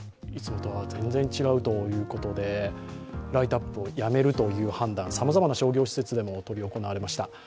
いつもとは違うということでライトアップをやめるという判断、さまざまな商業施設でもとり行われました。